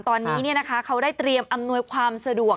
ตอนนี้เขาได้เตรียมอำนวยความสะดวก